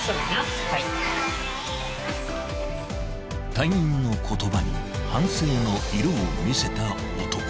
［隊員の言葉に反省の色を見せた男］